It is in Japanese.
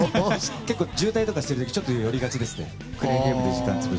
結構、渋滞とかしてる時寄りがちですね。